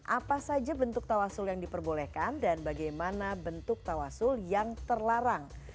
apa saja bentuk tawasul yang diperbolehkan dan bagaimana bentuk tawasul yang terlarang